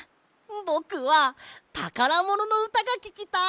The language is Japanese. ぼくはたからもののうたがききたい！